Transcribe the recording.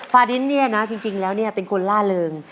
ฟาดินเนี่ยนะจริงแล้วเนี่ยเป็นคนล่าเริง